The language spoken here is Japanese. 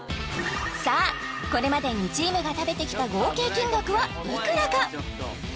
さあこれまで２チームが食べてきた合計金額はいくらか？